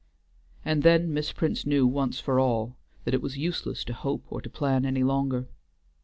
And then Miss Prince knew once for all, that it was useless to hope or to plan any longer.